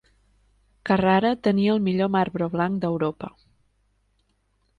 Carrara tenia el millor marbre blanc d'Europa.